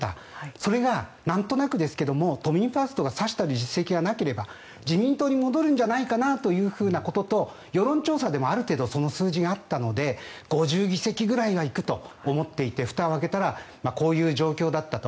それがなんとなくですけど都民ファーストがさしたる実績がなければ自民党に戻るんじゃないかなというふうなことと世論調査でもある程度その数字があったので５０議席ぐらいは行くと思っていて、ふたを開けたらこういう状況だったと。